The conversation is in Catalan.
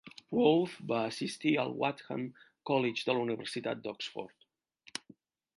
Wolfe va assistir al Wadham College de la Universitat d'Oxford.